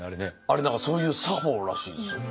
あれ何かそういう作法らしいですよ。